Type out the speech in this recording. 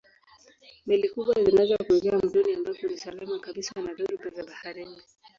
Meli kubwa zinaweza kuingia mtoni ambako ni salama kabisa na dhoruba za baharini.